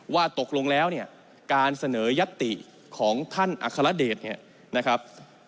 ว่าตกลงแล้วเนี่ยการเสนอยัตติของท่านอัครเดชเนี่ยนะครับ